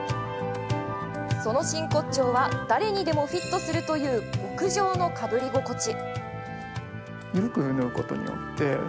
その真骨頂は誰にでもフィットするという極上のかぶり心地。